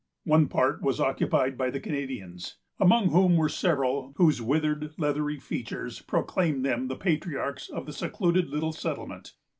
One part was occupied by the Canadians, among whom were several whose withered, leathery features proclaimed them the patriarchs of the secluded little settlement.